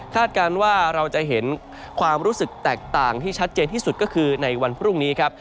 การว่าเราจะเห็นความรู้สึกแตกต่างที่ชัดเจนที่สุดก็คือในวันพรุ่งนี้ครับ